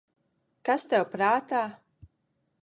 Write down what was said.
Kas tev prātā?